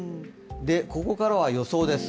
ここからは予想です。